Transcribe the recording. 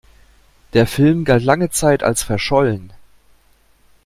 Der Film galt lange Zeit als verschollen.